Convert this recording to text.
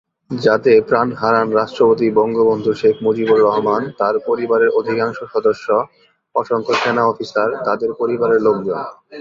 যাতে প্রাণ হারান রাষ্ট্রপতি বঙ্গবন্ধু শেখ মুজিবুর রহমান, তার পরিবারের অধিকাংশ সদস্য, অসংখ্য সেনা অফিসার, তাদের পরিবারের লোকজন।